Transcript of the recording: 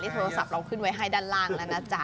โทรศัพท์เราขึ้นไว้ให้ด้านล่างแล้วนะจ๊ะ